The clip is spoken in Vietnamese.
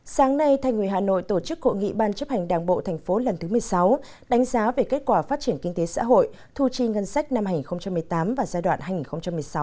sáng nay tp hcm tổ chức hội nghị ban chấp hành đảng bộ tp hcm lần thứ một mươi sáu đánh giá về kết quả phát triển kinh tế xã hội thu chi ngân sách năm hai nghìn một mươi tám và giai đoạn hai nghìn một mươi sáu hai nghìn một mươi tám